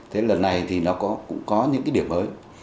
thế lần này thì nó cũng có những cái điểm mới